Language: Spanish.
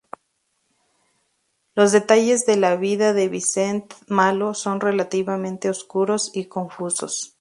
Los detalles de la vida de Vincent Malo son relativamente oscuros y confusos.